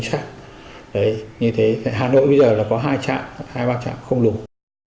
hà nội bây giờ là có hai trạng hai ba trạng không lùng